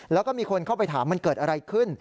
แล้วก็มีคนเข้าไปถามมันเกิดอะไรขึ้น